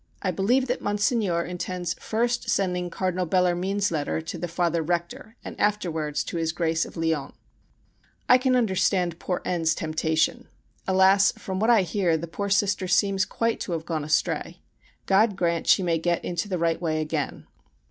I believe that Monseigneur intends first sending Cardinal Bellarmine's letter to the Father Rector, and afterwards to his Grace of Lyons.... I can understand poor N.'s temptation. Alas! from what I hear the poor Sister seems quite to have gone astray. God grant she may get into the right way again.